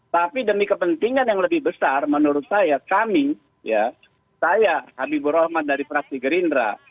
tapi demi kepentingan yang lebih besar menurut saya kami ya saya habibur rahman dari fraksi gerindra